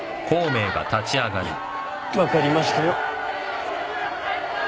分かりましたよ。